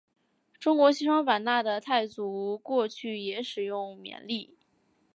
中国西双版纳的傣族过去也使用缅历。